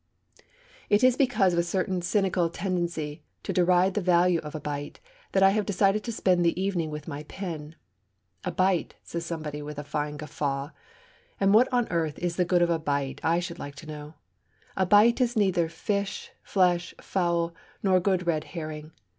It is because of a certain cynical tendency to deride the value of a bite that I have decided to spend the evening with my pen. 'A bite!' says somebody, with a fine guffaw. 'And what on earth is the good of a bite, I should like to know? A bite is neither fish, flesh, fowl, nor good red herring!